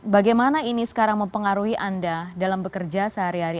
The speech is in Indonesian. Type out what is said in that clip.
bagaimana ini sekarang mempengaruhi anda dalam bekerja sehari hari